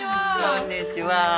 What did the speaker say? こんにちは。